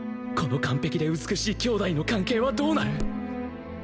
この完璧で美しい兄妹の関係はどうなる？